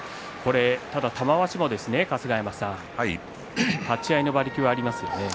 ただ玉鷲も立ち合いの馬力がありますよね。